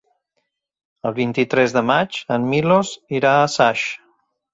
El vint-i-tres de maig en Milos irà a Saix.